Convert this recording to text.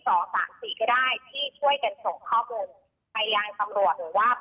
ศอภาษีก็ได้ที่ช่วยกันเข้าข้อมูลพยายามสำหรับว่า